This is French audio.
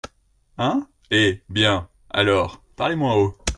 Hein !… eh ! bien, alors, parlez moins haut !